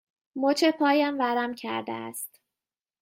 مچ پایم ورم کرده است.